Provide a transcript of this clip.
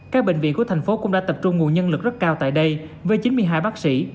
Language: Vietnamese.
các bệnh viện của thành phố cũng đã tập trung nguồn nhân lực rất cao tại đây với chín mươi hai bác sĩ